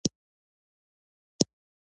ځکه ځینې ډریوران تاسو اوږدې لارې رسوي.